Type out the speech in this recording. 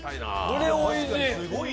これ、おいしい！